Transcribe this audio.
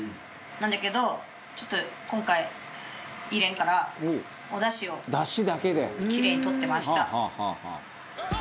なんだけどちょっと今回入れんからおダシをキレイに取ってました。